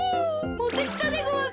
もってきたでごわす。